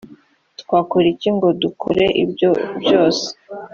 twakora iki ngo dukore ibyo byose